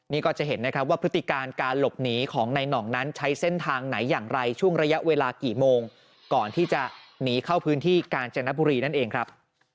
นี่ก็จะเห็นนะครับว่าพฤติการการหลบหนีของนายหน่องนั้นใช้เส้นทางไหนอย่างไรช่วงระยะเวลากี่โมงก่อนที่จะหนีเข้าพื้นที่กาญจนบุรีนั่นเองครับ